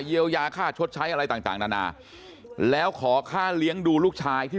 เยียวยาค่าชดใช้อะไรต่างนานาแล้วขอค่าเลี้ยงดูลูกชายที่